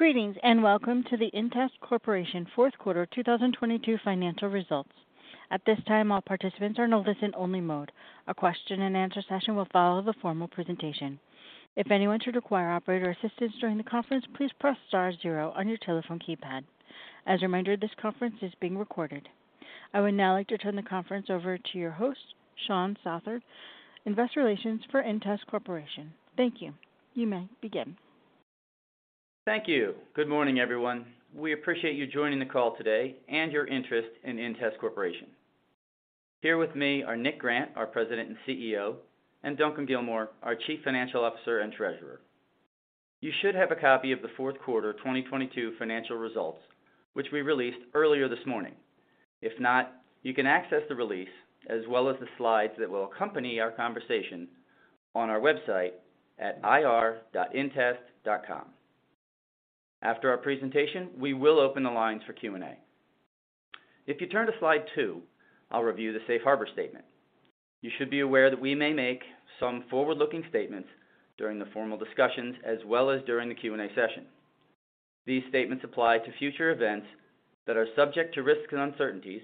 Greetings, welcome to the inTEST Corporation Q4 2022 financial results. At this time, all participants are in listen-only mode. A Q&A session will follow the formal presentation. If anyone should require operator assistance during the conference, please press star zero on your telephone keypad. As a reminder, this conference is being recorded. I would now like to turn the conference over to your host, Shawn Southard, Investor Relations for inTEST Corporation. Thank you. You may begin. Thank you. Good morning, everyone. We appreciate you joining the call today and your interest in inTEST Corporation. Here with me are Nick Grant, our President and CEO, and Duncan Gilmour, our Chief Financial Officer and Treasurer. You should have a copy of the Q4 2022 financial results, which we released earlier this morning. If not, you can access the release as well as the slides that will accompany our conversation on our website at ir.intest.com. After our presentation, we will open the lines for Q&A. If you turn to slide two, I'll review the safe harbor statement. You should be aware that we may make some forward-looking statements during the formal discussions as well as during the Q&A session. These statements apply to future events that are subject to risks and uncertainties,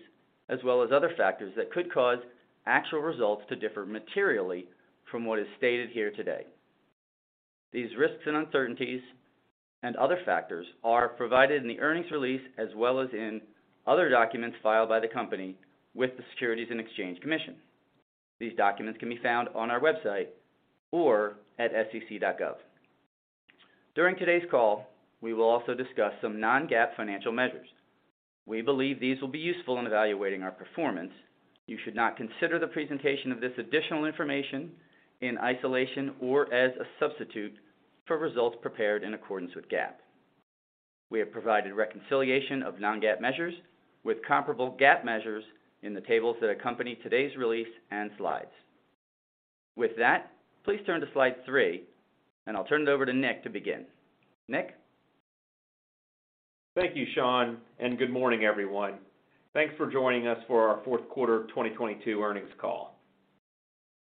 as well as other factors that could cause actual results to differ materially from what is stated here today. These risks and uncertainties and other factors are provided in the earnings release as well as in other documents filed by the company with the Securities and Exchange Commission. These documents can be found on our website or at sec.gov. During today's call, we will also discuss some non-GAAP financial measures. We believe these will be useful in evaluating our performance. You should not consider the presentation of this additional information in isolation or as a substitute for results prepared in accordance with GAAP. We have provided reconciliation of non-GAAP measures with comparable GAAP measures in the tables that accompany today's release and slides. With that, please turn to slide three, and I'll turn it over to Nick to begin. Nick. Thank you, Shawn, and good morning, everyone. Thanks for joining us for our Q4 2022 earnings call.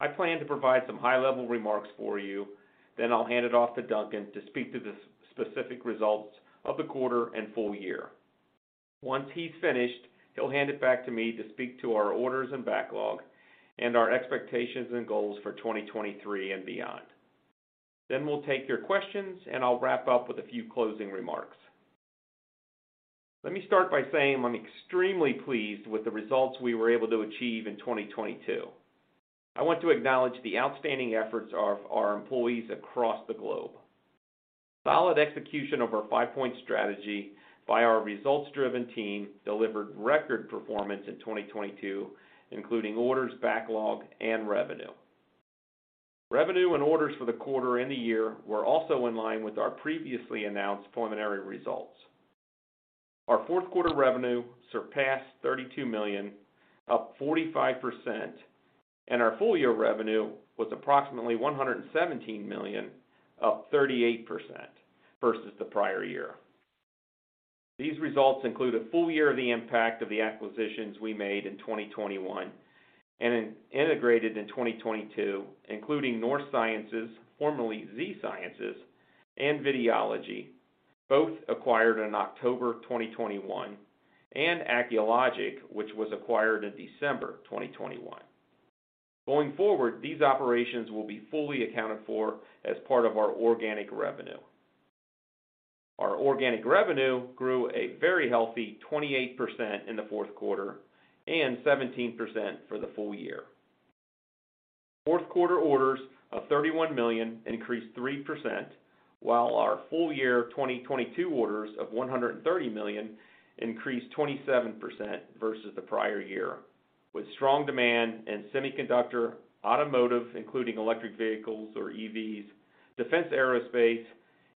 I plan to provide some high-level remarks for you, then I'll hand it off to Duncan to speak to the specific results of the quarter and full year. Once he's finished, he'll hand it back to me to speak to our orders and backlog and our expectations and goals for 2023 and beyond. We'll take your questions, and I'll wrap up with a few closing remarks. Let me start by saying I'm extremely pleased with the results we were able to achieve in 2022. I want to acknowledge the outstanding efforts of our employees across the globe. Solid execution of our 5-Point Strategy by our results-driven team delivered record performance in 2022, including orders, backlog, and revenue. Revenue and orders for the quarter and the year were also in line with our previously announced preliminary results. Our Q4 revenue surpassed $32 million, up 45%, and our full year revenue was approximately $117 million, up 38% versus the prior year. These results include a full year of the impact of the acquisitions we made in 2021 and integrated in 2022, including North Sciences, formerly Z-Sciences, and Videology, both acquired in October 2021, and Acculogic, which was acquired in December 2021. Going forward, these operations will be fully accounted for as part of our organic revenue. Our organic revenue grew a very healthy 28% in the Q4 and 17% for the full year. Q4 orders of $31 million increased 3%, while our full year 2022 orders of $130 million increased 27% versus the prior year, with strong demand in semiconductor, automotive, including electric vehicles or EVs, defense aerospace,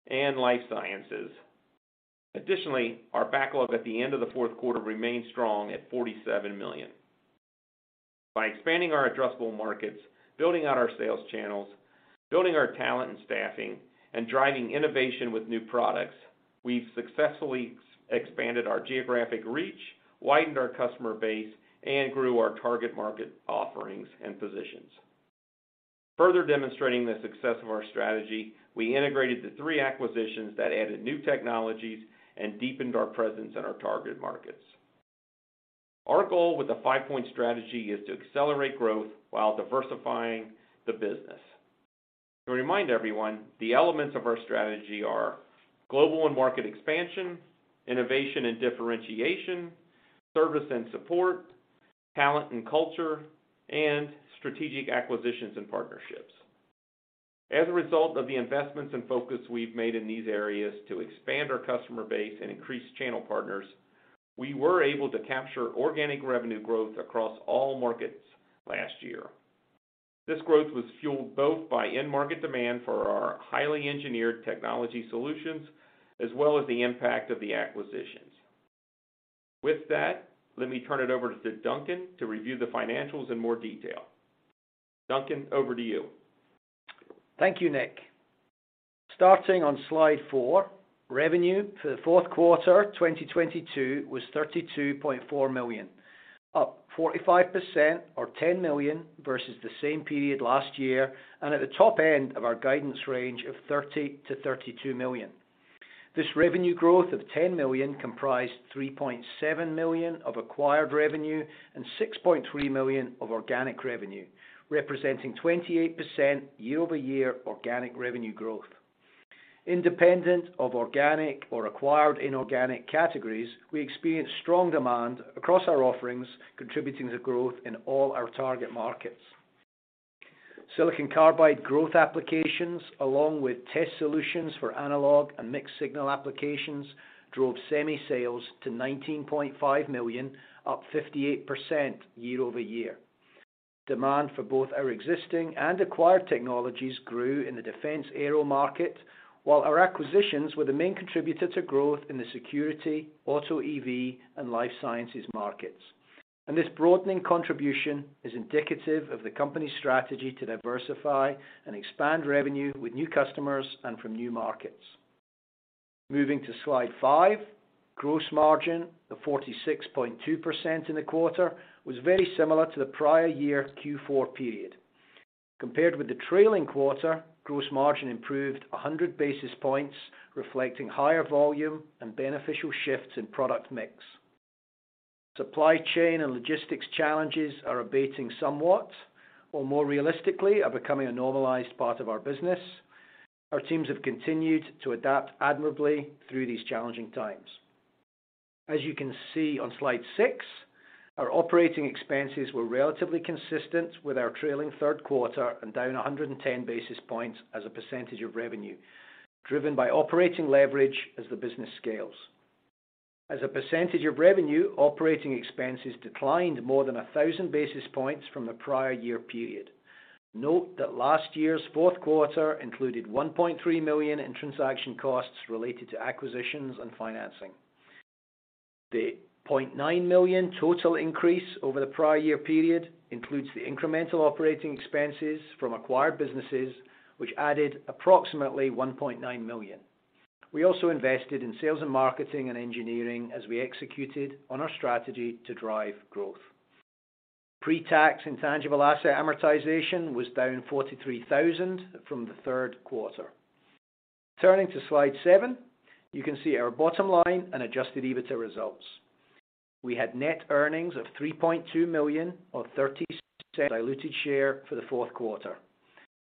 and life sciences. Additionally, our backlog at the end of the Q4 remained strong at $47 million. By expanding our addressable markets, building out our sales channels, building our talent and staffing, and driving innovation with new products, we've successfully expanded our geographic reach, widened our customer base, and grew our target market offerings and positions. Further demonstrating the success of our strategy, we integrated the three acquisitions that added new technologies and deepened our presence in our target markets. Our goal with the 5-Point Strategy is to accelerate growth while diversifying the business. To remind everyone, the elements of our strategy are global and market expansion, innovation and differentiation, service and support, talent and culture, and strategic acquisitions and partnerships. As a result of the investments and focus we've made in these areas to expand our customer base and increase channel partners, we were able to capture organic revenue growth across all markets last year. This growth was fueled both by end market demand for our highly engineered technology solutions as well as the impact of the acquisitions. With that, let me turn it over to Duncan to review the financials in more detail. Duncan, over to you. Thank you, Nick. Starting on slide four, revenue for the Q4 2022 was $32.4 million, up 45% or $10 million versus the same period last year and at the top end of our guidance range of $30 million-$32 million. This revenue growth of $10 million comprised $3.7 million of acquired revenue and $6.3 million of organic revenue, representing 28% year-over-year organic revenue growth. Independent of organic or acquired inorganic categories, we experienced strong demand across our offerings, contributing to growth in all our target markets. Silicon carbide growth applications, along with test solutions for analog and mixed-signal applications, drove semi sales to $19.5 million, up 58% year-over-year. Demand for both our existing and acquired technologies grew in the defense aero market, while our acquisitions were the main contributor to growth in the security, auto EV, and life sciences markets. This broadening contribution is indicative of the company's strategy to diversify and expand revenue with new customers and from new markets. Moving to slide five, gross margin of 46.2% in the quarter was very similar to the prior year Q4 period. Compared with the trailing quarter, gross margin improved 100 basis points, reflecting higher volume and beneficial shifts in product mix. Supply chain and logistics challenges are abating somewhat or more realistically, are becoming a normalized part of our business. Our teams have continued to adapt admirably through these challenging times. As you can see on slide six, our operating expenses were relatively consistent with our trailing Q3 and down 110 basis points as a percentage of revenue, driven by operating leverage as the business scales. As a percentage of revenue, operating expenses declined more than 1,000 basis points from the prior year period. Note that last year's Q4 included $1.3 million in transaction costs related to acquisitions and financing. The $0.9 million total increase over the prior year period includes the incremental operating expenses from acquired businesses, which added approximately $1.9 million. We also invested in sales and marketing and engineering as we executed on our strategy to drive growth. Pre-tax intangible asset amortization was down $43,000 from the Q3. Turning to slide seven, you can see our bottom line and adjusted EBITDA results. We had net earnings of $3.2 million on $0.30 diluted share for the Q4.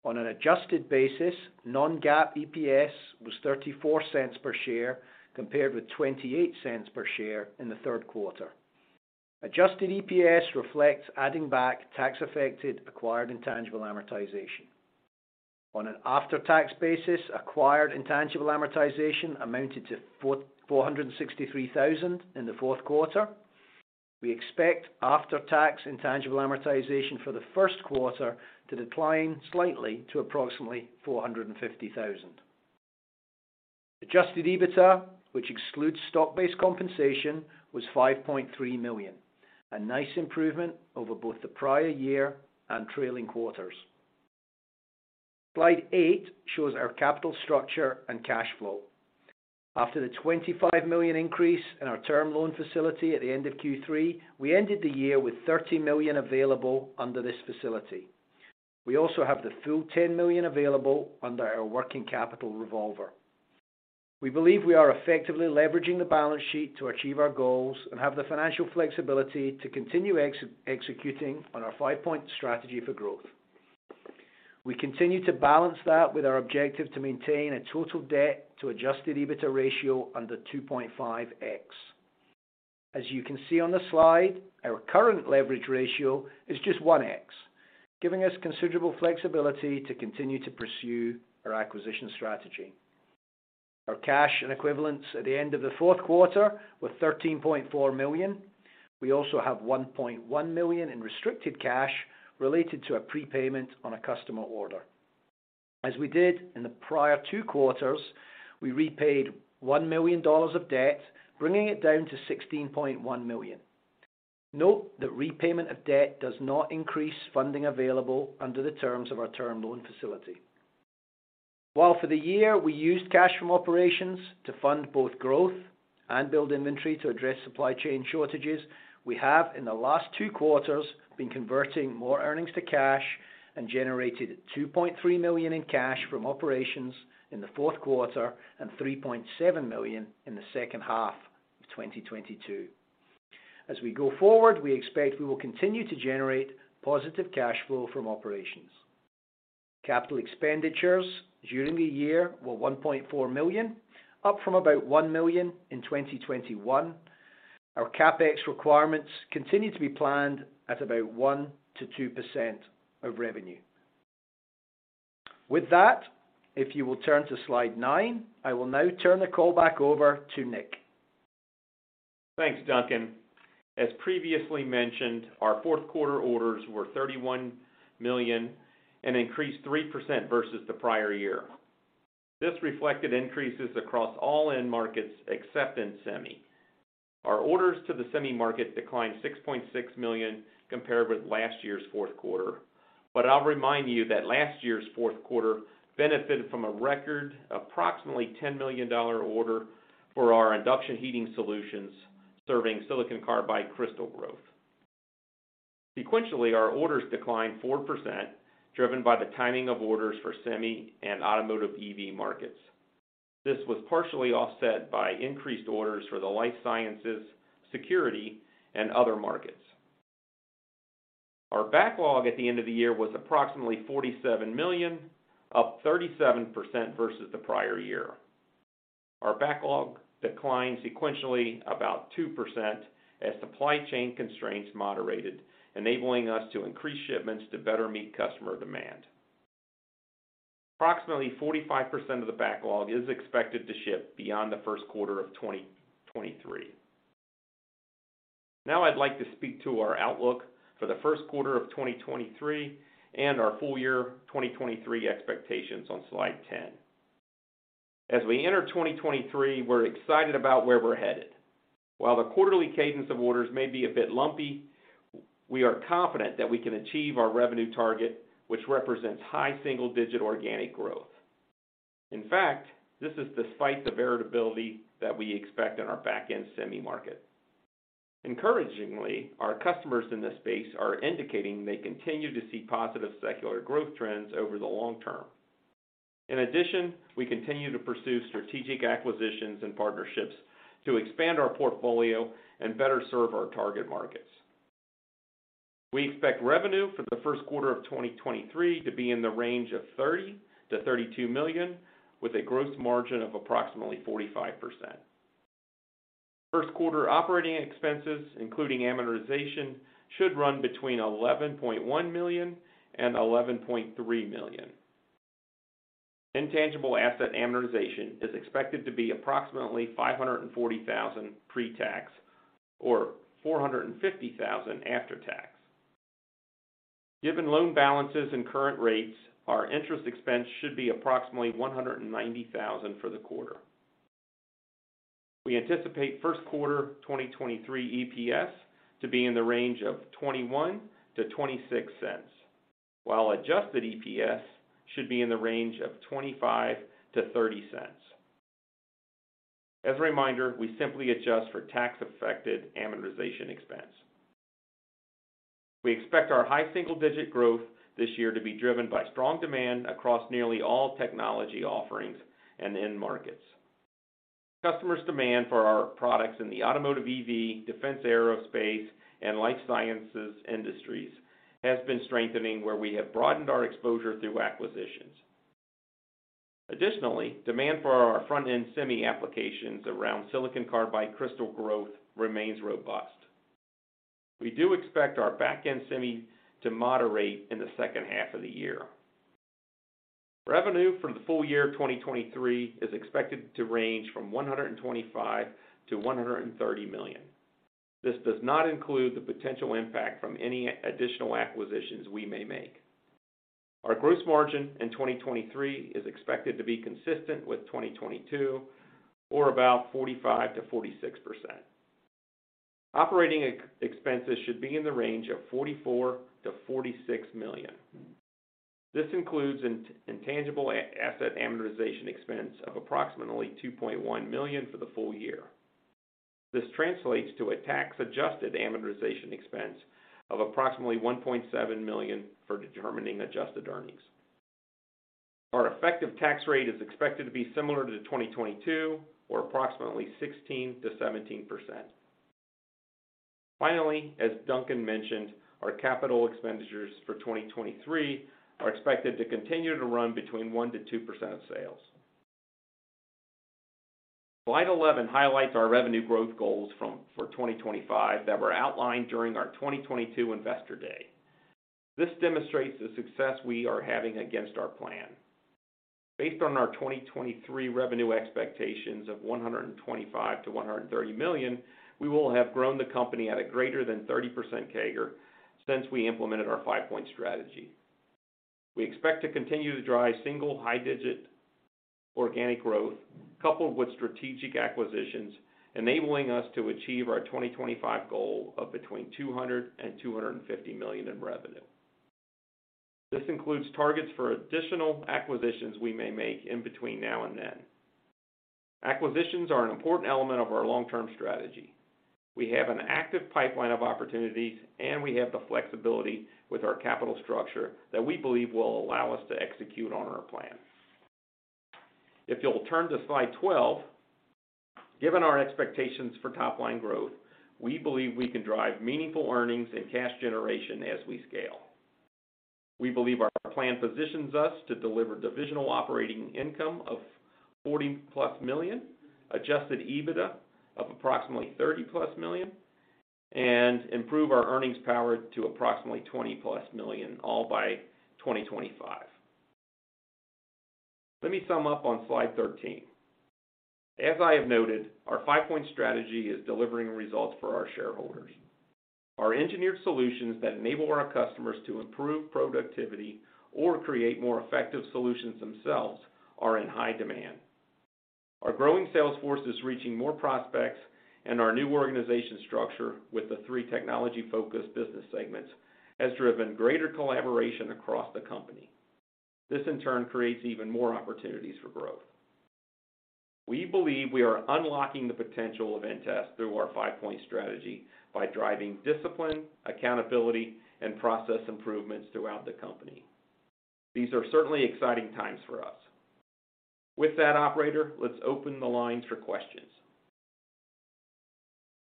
On an adjusted basis, non-GAAP EPS was $0.34 per share, compared with $0.28 per share in the Q3. Adjusted EPS reflects adding back tax affected acquired intangible amortization. On an after-tax basis, acquired intangible amortization amounted to $463,000 in the Q4. We expect after-tax intangible amortization for the Q1 to decline slightly to approximately $450,000. Adjusted EBITDA, which excludes stock-based compensation, was $5.3 million, a nice improvement over both the prior year and trailing quarters. Slide 8 shows our capital structure and cash flow. After the $25 million increase in our term loan facility at the end of Q3, we ended the year with $30 million available under this facility. We also have the full $10 million available under our working capital revolver. We believe we are effectively leveraging the balance sheet to achieve our goals and have the financial flexibility to continue executing on our 5-Point Strategy for growth. We continue to balance that with our objective to maintain a total debt to adjusted EBITDA ratio under 2.5x. As you can see on the slide, our current leverage ratio is just 1x, giving us considerable flexibility to continue to pursue our acquisition strategy. Our cash and equivalents at the end of the Q4 were $13.4 million. We also have $1.1 million in restricted cash related to a prepayment on a customer order. As we did in the prior two quarters, we repaid $1 million of debt, bringing it down to $16.1 million. Note that repayment of debt does not increase funding available under the terms of our term loan facility. While for the year we used cash from operations to fund both growth and build inventory to address supply chain shortages, we have in the last two quarters been converting more earnings to cash and generated $2.3 million in cash from operations in the Q4 and $3.7 million in the H2 of 2022. We expect we will continue to generate positive cash flow from operations. Capital expenditures during the year were $1.4 million, up from about $1 million in 2021. Our CapEx requirements continue to be planned at about 1%-2% of revenue. With that, if you will turn to slide 9. I will now turn the call back over to Nick. Thanks, Duncan. As previously mentioned, our Q4 orders were $31 million, an increase 3% versus the prior year. This reflected increases across all end markets except in semi. Our orders to the semi market declined $6.6 million compared with last year's Q4. I'll remind you that last year's Q4 benefited from a record approximately $10 million order for our induction heating solutions serving silicon carbide crystal growth. Sequentially, our orders declined 4%, driven by the timing of orders for semi and automotive EV markets. This was partially offset by increased orders for the life sciences, security, and other markets. Our backlog at the end of the year was approximately $47 million, up 37% versus the prior year. Our backlog declined sequentially about 2% as supply chain constraints moderated, enabling us to increase shipments to better meet customer demand. Approximately 45% of the backlog is expected to ship beyond the Q1 of 2023. I'd like to speak to our outlook for the Q1 of 2023 and our full year 2023 expectations on slide 10. As we enter 2023, we're excited about where we're headed. While the quarterly cadence of orders may be a bit lumpy, we are confident that we can achieve our revenue target, which represents high single-digit organic growth. In fact, this is despite the variability that we expect in our back-end semi market. Encouragingly, our customers in this space are indicating they continue to see positive secular growth trends over the long term. In addition, we continue to pursue strategic acquisitions and partnerships to expand our portfolio and better serve our target markets. We expect revenue for the Q1 of 2023 to be in the range of $30 million-$32 million, with a gross margin of approximately 45%. Q1 operating expenses, including amortization, should run between $11.1 million and $11.3 million. Intangible asset amortization is expected to be approximately $540,000 pre-tax, or $450,000 after tax. Given loan balances and current rates, our interest expense should be approximately $190,000 for the quarter. We anticipate Q1 2023 EPS to be in the range of $0.21-$0.26, while adjusted EPS should be in the range of $0.25-$0.30. As a reminder, we simply adjust for tax-affected amortization expense. We expect our high single-digit growth this year to be driven by strong demand across nearly all technology offerings and end markets. Customers' demand for our products in the automotive EV, defense aerospace, and life sciences industries has been strengthening, where we have broadened our exposure through acquisitions. Demand for our front-end semi applications around silicon carbide crystal growth remains robust. We do expect our back-end semi to moderate in the H2 of the year. Revenue for the full year of 2023 is expected to range from $125 million-$130 million. This does not include the potential impact from any additional acquisitions we may make. Our gross margin in 2023 is expected to be consistent with 2022 or about 45%-46%. Operating expenses should be in the range of $44 million-$46 million. This includes intangible asset amortization expense of approximately $2.1 million for the full year. This translates to a tax-adjusted amortization expense of approximately $1.7 million for determining adjusted earnings. Our effective tax rate is expected to be similar to 2022 or approximately 16%-17%. As Duncan mentioned, our capital expenditures for 2023 are expected to continue to run between 1%-2% of sales. Slide 11 highlights our revenue growth goals for 2025 that were outlined during our 2022 Investor Day. This demonstrates the success we are having against our plan. Based on our 2023 revenue expectations of $125 million-$130 million, we will have grown the company at a greater than 30% CAGR since we implemented our 5-Point Strategy. We expect to continue to drive single high digit organic growth coupled with strategic acquisitions, enabling us to achieve our 2025 goal of between $200 million-$250 million in revenue. This includes targets for additional acquisitions we may make in between now and then. Acquisitions are an important element of our long-term strategy. We have an active pipeline of opportunities, and we have the flexibility with our capital structure that we believe will allow us to execute on our plan. If you'll turn to slide 12, given our expectations for top-line growth, we believe we can drive meaningful earnings and cash generation as we scale. We believe our plan positions us to deliver divisional operating income of $40+ million, adjusted EBITDA of approximately $30+ million, and improve our earnings power to approximately $20+ million, all by 2025. Let me sum up on slide 13. As I have noted, our 5-Point Strategy is delivering results for our shareholders. Our engineered solutions that enable our customers to improve productivity or create more effective solutions themselves are in high demand. Our growing sales force is reaching more prospects, and our new organization structure with the three technology-focused business segments has driven greater collaboration across the company. This, in turn, creates even more opportunities for growth. We believe we are unlocking the potential of inTEST through our 5-Point Strategy by driving discipline, accountability, and process improvements throughout the company. These are certainly exciting times for us. With that, operator, let's open the lines for questions.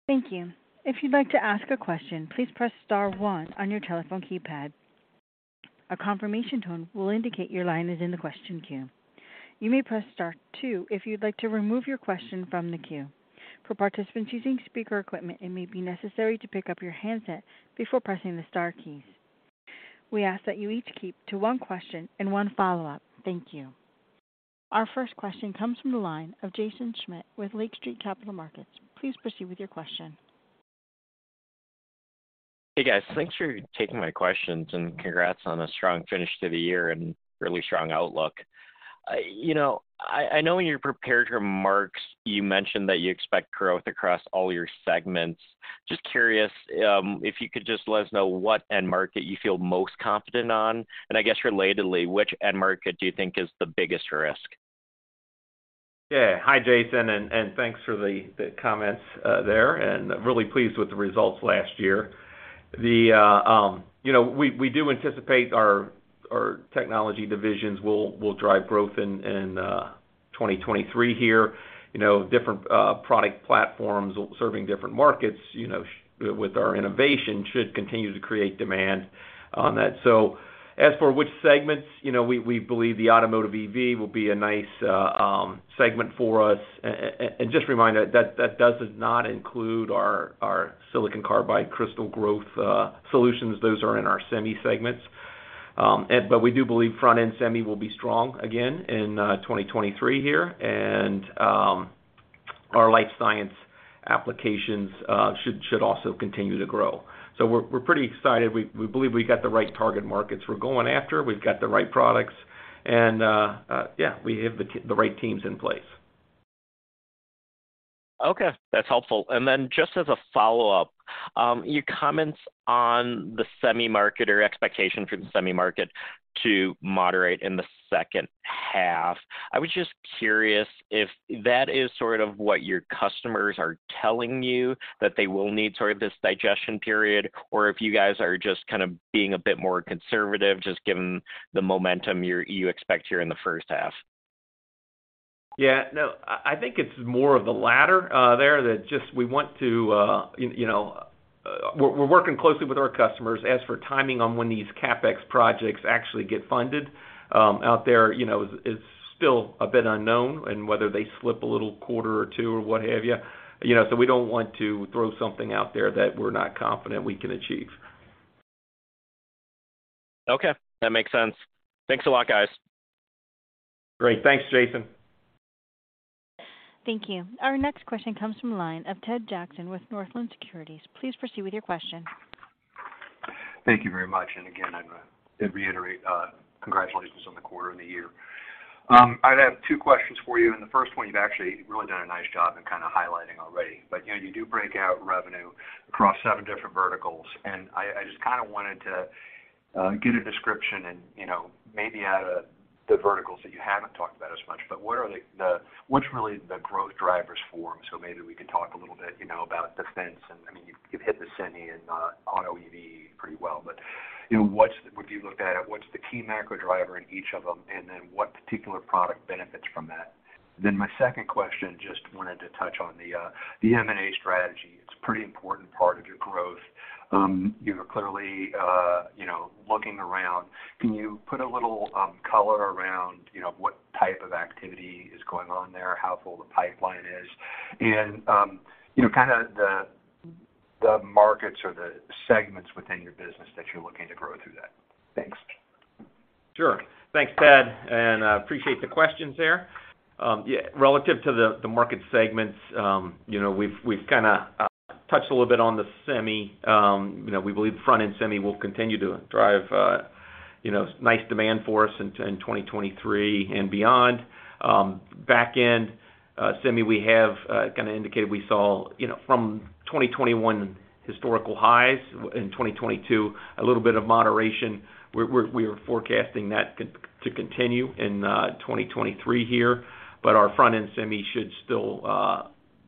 Thank you. If you'd like to ask a question, please press star one on your telephone keypad. A confirmation tone will indicate your line is in the question queue. You may press star two if you'd like to remove your question from the queue. For participants using speaker equipment, it may be necessary to pick up your handset before pressing the star keys. We ask that you each keep to one question and one follow-up. Thank you. Our first question comes from the line of Jaeson Schmidt with Lake Street Capital Markets. Please proceed with your question. Hey, guys. Thanks for taking my questions, and congrats on a strong finish to the year and really strong outlook. I, you know, I know in your prepared remarks, you mentioned that you expect growth across all your segments. Just curious, if you could just let us know what end market you feel most confident on. I guess relatedly, which end market do you think is the biggest risk? Yeah. Hi, Jaeson, thanks for the comments there, really pleased with the results last year. The, you know, we do anticipate our technology divisions will drive growth in 2023 here. You know, different product platforms serving different markets, you know, with our innovation should continue to create demand on that. As for which segments, you know, we believe the automotive EV will be a nice segment for us. Just a reminder that that does not include our silicon carbide crystal growth solutions. Those are in our semi segments. We do believe front-end semi will be strong again in 2023 here. Our life science applications should also continue to grow. We're pretty excited. We believe we've got the right target markets we're going after. We've got the right products and, yeah, we have the right teams in place. Okay, that's helpful. Then just as a follow-up, your comments on the semi market or expectation for the semi market to moderate in the H2, I was just curious if that is sort of what your customers are telling you that they will need sort of this digestion period, or if you guys are just kind of being a bit more conservative, just given the momentum you expect here in the H1? No, I think it's more of the latter there that just we want to, you know, we're working closely with our customers. As for timing on when these CapEx projects actually get funded, out there, you know, is still a bit unknown and whether they slip a little quarter or two or what have you. You know, we don't want to throw something out there that we're not confident we can achieve. Okay, that makes sense. Thanks a lot, guys. Great. Thanks, Jaeson. Thank you. Our next question comes from the line of Ted Jackson with Northland Securities. Please proceed with your question. Thank you very much. Again, I'd reiterate, congratulations on the quarter and the year. I'd have two questions for you, and the first one you've actually really done a nice job in kind of highlighting already. You know, you do break out revenue across seven different verticals, and I just kind of wanted to get a description and, you know, maybe out of the verticals that you haven't talked about as much, but what's really the growth drivers for them? Maybe we could talk a little bit, you know, about defense and, I mean, you've hit the semi and auto EV pretty well. You know, what's if you looked at it, what's the key macro driver in each of them, and then what particular product benefits from that? My second question, just wanted to touch on the M&A strategy. It's a pretty important part of your growth. You're clearly, you know, looking around. Can you put a little color around, you know, what type of activity is going on there, how full the pipeline is, and, you know, kind of the markets or the segments within your business that you're looking to grow through that? Thanks. Sure. Thanks, Ted, and I appreciate the questions there. Relative to the market segments, you know, we've kinda touched a little bit on the semi. We believe front-end semi will continue to drive nice demand for us in 2023 and beyond. Back-end semi, we have kind of indicated we saw, you know, from 2021 historical highs in 2022, a little bit of moderation. We are forecasting that to continue in 2023 here. Our front-end semi should still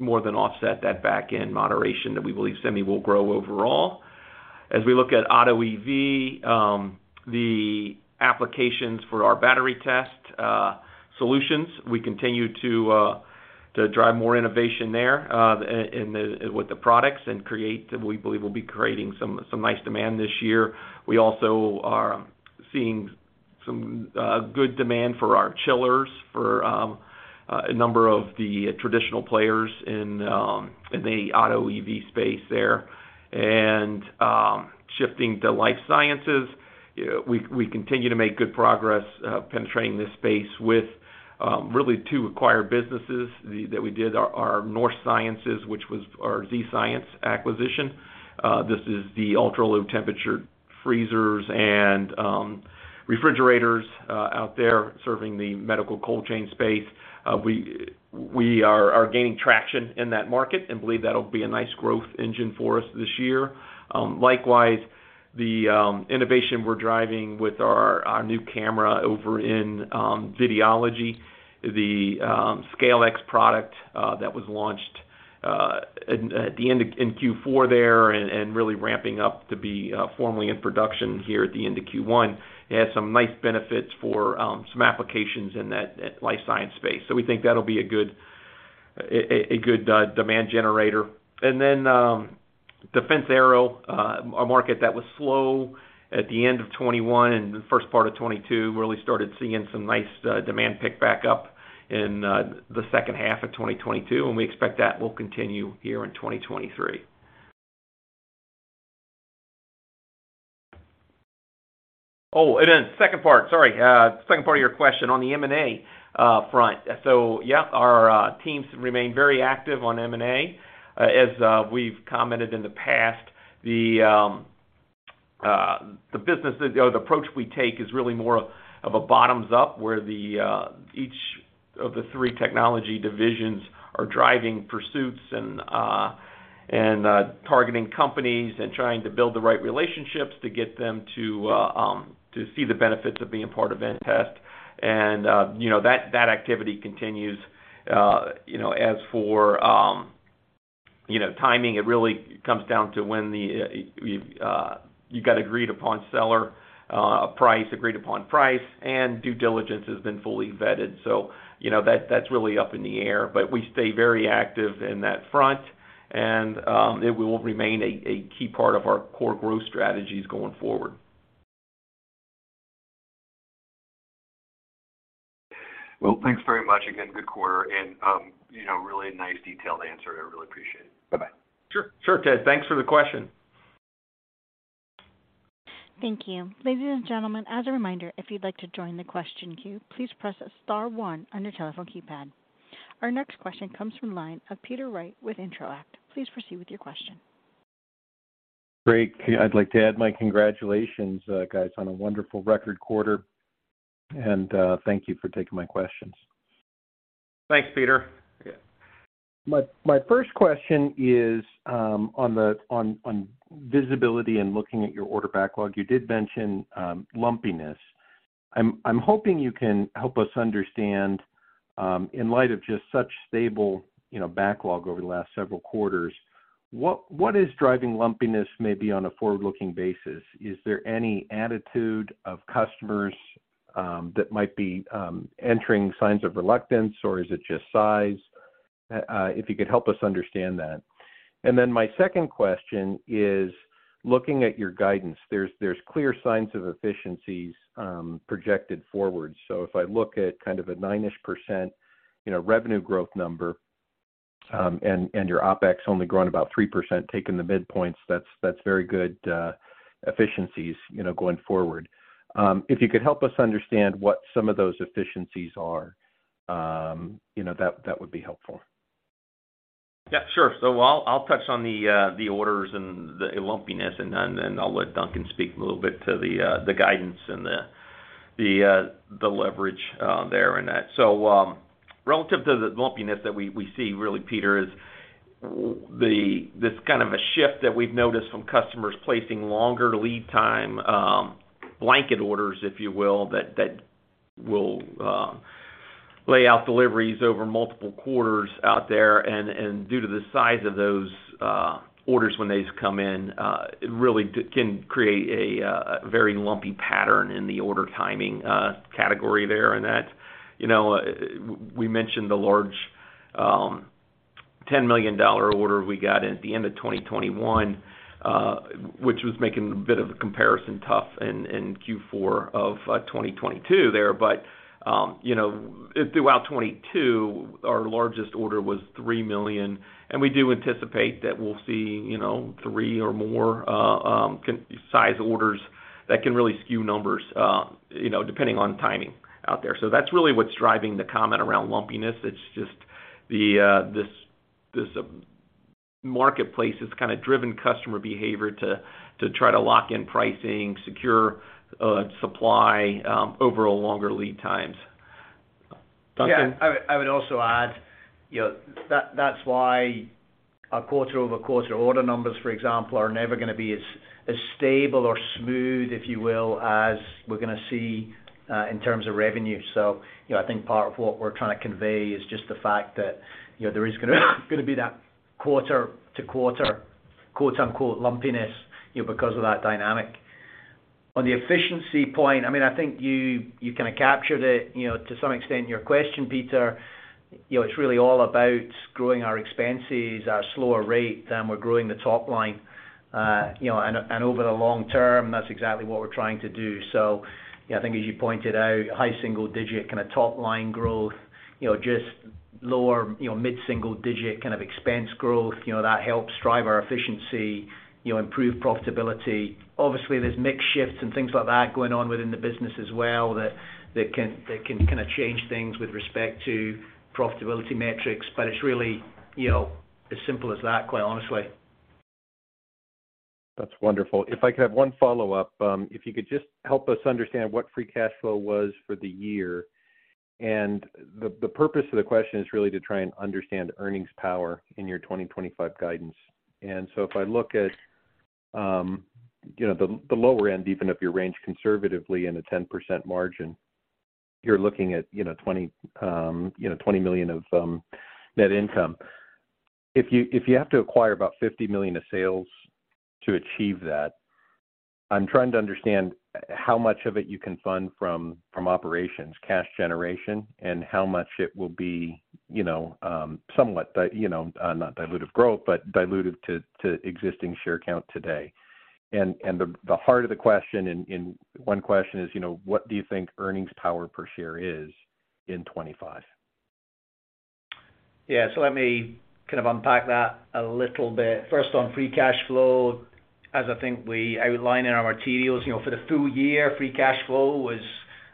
more than offset that back-end moderation that we believe semi will grow overall. As we look at auto EV, the applications for our battery test solutions, we continue to drive more innovation there, in, with the products and create, we believe will be creating some nice demand this year. We also are seeing some good demand for our chillers for a number of the traditional players in the auto EV space there. Shifting to life sciences, we continue to make good progress penetrating this space with really two acquired businesses that we did, our North Sciences, which was our Z-Sciences acquisition. This is the Ultra-Low Temperature Freezers and refrigerators out there serving the medical cold chain space. We are gaining traction in that market and believe that'll be a nice growth engine for us this year. Likewise, the innovation we're driving with our new camera over in Videology, the SCAiLX product that was launched in Q4 there and really ramping up to be formally in production here at the end of Q1. It has some nice benefits for some applications in that life science space. We think that'll be a good demand generator. Defense aero, a market that was slow at the end of 2021, and the first part of 2022 really started seeing some nice demand pick back up in the H2 of 2022, and we expect that will continue here in 2023. Second part, sorry, second part of your question on the M&A front. Yeah, our teams remain very active on M&A. As we've commented in the past, the business or the approach we take is really more of a bottoms up, where each of the three technology divisions are driving pursuits and targeting companies and trying to build the right relationships to get them to see the benefits of being part of inTEST. You know, that activity continues. You know, as for timing, it really comes down to when you got agreed upon seller price, and due diligence has been fully vetted. you know, that's really up in the air, but we stay very active in that front and it will remain a key part of our core growth strategies going forward. Well, thanks very much. Again, good quarter and, you know, really nice detailed answer. I really appreciate it. Bye-bye. Sure. Sure, Ted. Thanks for the question. Thank you. Ladies and gentlemen, as a reminder, if you'd like to join the question queue, please press star one on your telephone keypad. Our next question comes from line of Peter Wright with Intro-Act. Please proceed with your question. Great. I'd like to add my congratulations, guys, on a wonderful record quarter, and thank you for taking my questions. Thanks, Peter. Yeah. My first question is on the visibility and looking at your order backlog. You did mention lumpiness. I'm hoping you can help us understand in light of just such stable, you know, backlog over the last several quarters, what is driving lumpiness maybe on a forward-looking basis? Is there any attitude of customers that might be entering signs of reluctance, or is it just size? If you could help us understand that. My second question is looking at your guidance. There's clear signs of efficiencies projected forward. If I look at kind of a 9%, you know, revenue growth number, and your OpEx only growing about 3%, taking the midpoints, that's very good efficiencies, you know, going forward. If you could help us understand what some of those efficiencies are, you know, that would be helpful. Yeah, sure. I'll touch on the orders and the lumpiness, and then I'll let Duncan speak a little bit to the guidance and the leverage there in that. Relative to the lumpiness that we see really, Peter, is this kind of a shift that we've noticed from customers placing longer lead time, blanket orders, if you will, that will lay out deliveries over multiple quarters out there. Due to the size of those orders when they come in, really can create a very lumpy pattern in the order timing category there. That, you know, we mentioned the large, $10 million order we got at the end of 2021, which was making a bit of a comparison tough in Q4 of 2022 there. You know, throughout 2022, our largest order was $3 million, and we do anticipate that we'll see, you know, 3 or more size orders that can really skew numbers, you know, depending on timing out there. That's really what's driving the comment around lumpiness. It's just this marketplace has kind of driven customer behavior to try to lock in pricing, secure supply over a longer lead times. Duncan. Yeah. I would also add, you know, that's why our quarter-over-quarter order numbers, for example, are never gonna be as stable or smooth, if you will, as we're gonna see in terms of revenue. You know, I think part of what we're trying to convey is just the fact that, you know, there is gonna be that quarter-to-quarter, quote-unquote, lumpiness, you know, because of that dynamic. On the efficiency point, I mean, I think you kinda captured it, you know, to some extent in your question, Peter. You know, it's really all about growing our expenses at a slower rate than we're growing the top line. You know, and over the long term, that's exactly what we're trying to do. You know, I think as you pointed out, high single-digit kind of top-line growth, you know, just lower, you know, mid-single-digit kind of expense growth, you know, that helps drive our efficiency, you know, improve profitability. Obviously, there's mix shifts and things like that going on within the business as well that can, that can kind of change things with respect to profitability metrics. It's really, you know, as simple as that, quite honestly. That's wonderful. If I could have one follow-up, if you could just help us understand what free cash flow was for the year. The purpose of the question is really to try and understand earnings power in your 2025 guidance. If I look at the lower end, even if you range conservatively in a 10% margin, you're looking at $20 million of net income. If you have to acquire about $50 million of sales to achieve that, I'm trying to understand how much of it you can fund from operations, cash generation, and how much it will be somewhat not dilutive growth, but dilutive to existing share count today. The heart of the question in one question is, you know, what do you think earnings power per share is in 25? Let me kind of unpack that a little bit. First, on free cash flow, as I think we outlined in our materials, you know, for the full year, free cash flow was,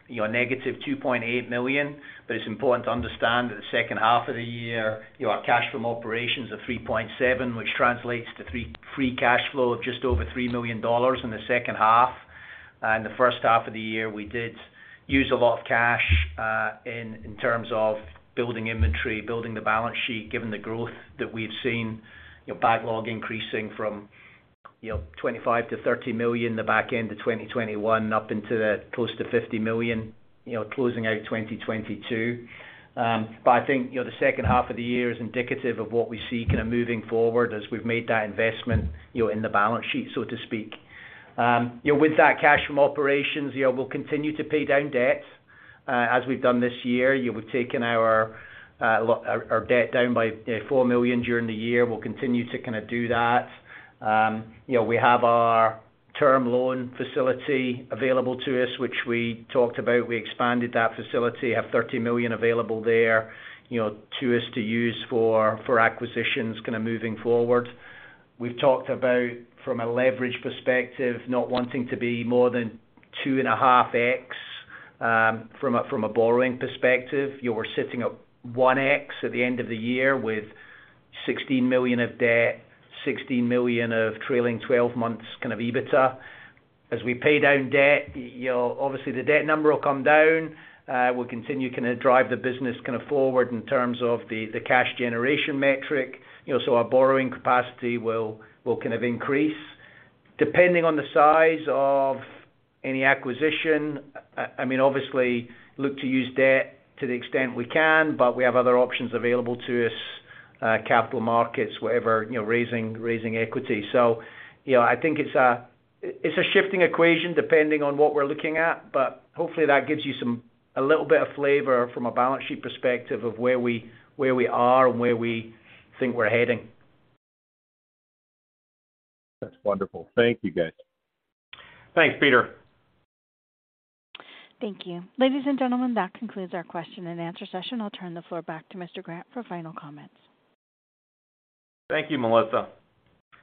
you know, negative $2.8 million. It's important to understand that the H2 of the year, you know, our cash from operations of $3.7 million, which translates to free cash flow of just over $3 million in the H2. In the H1 of the year, we did use a lot of cash in terms of building inventory, building the balance sheet, given the growth that we've seen, you know, backlog increasing from, you know, $25 million-$30 million the back end of 2021 up into the close to $50 million, you know, closing out 2022. I think, you know, the H2 of the year is indicative of what we see kinda moving forward as we've made that investment, you know, in the balance sheet, so to speak. You know, with that cash from operations, you know, we'll continue to pay down debt as we've done this year. You know, we've taken our debt down by $4 million during the year. We'll continue to kinda do that. You know, we have our term loan facility available to us, which we talked about. We expanded that facility, have $30 million available there, you know, to us to use for acquisitions kinda moving forward. We've talked about, from a leverage perspective, not wanting to be more than 2.5x from a borrowing perspective. You know, we're sitting at 1x at the end of the year with $16 million of debt, $16 million of trailing 12 months kinda EBITDA. As we pay down debt, you know, obviously the debt number will come down. We'll continue kinda drive the business kinda forward in terms of the cash generation metric, you know, so our borrowing capacity will kinda increase. Depending on the size of any acquisition, I mean, obviously look to use debt to the extent we can, but we have other options available to us, capital markets, whatever, you know, raising equity. You know, I think it's a, it's a shifting equation depending on what we're looking at, but hopefully that gives you some... a little bit of flavor from a balance sheet perspective of where we are and where we think we're heading. That's wonderful. Thank you, guys. Thanks, Peter. Thank you. Ladies and gentlemen, that concludes our question and answer session. I'll turn the floor back to Mr. Grant for final comments. Thank you, Melissa.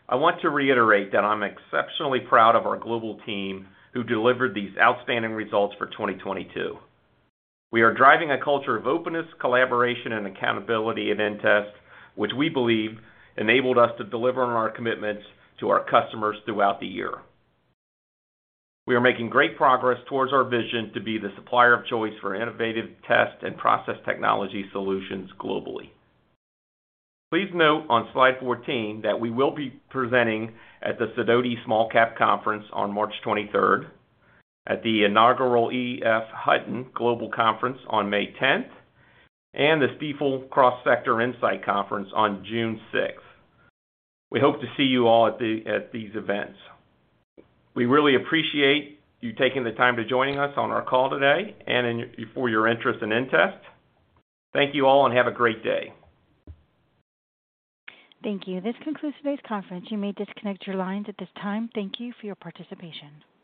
I want to reiterate that I'm exceptionally proud of our global team who delivered these outstanding results for 2022. We are driving a culture of openness, collaboration, and accountability at inTEST, which we believe enabled us to deliver on our commitments to our customers throughout the year. We are making great progress towards our vision to be the supplier of choice for innovative test and process technology solutions globally. Please note on slide 14 that we will be presenting at the Sidoti Small-Cap Virtual Conference on March 23rd, at the inaugural EF Hutton Global Conference on May 10th, and the Stifel Cross Sector Insight Conference on June 6th. We hope to see you all at these events. We really appreciate you taking the time to joining us on our call today and for your interest in inTEST. Thank you all and have a great day. Thank you. This concludes today's conference. You may disconnect your lines at this time. Thank you for your participation.